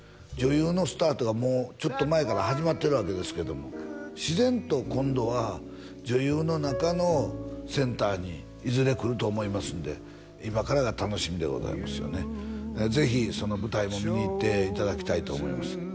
女優のスタートがちょっと前から始まってるわけですけども自然と今度は女優の中のセンターにいずれくると思いますんで今からが楽しみでございますよね是非その舞台も見にいっていただきたいと思います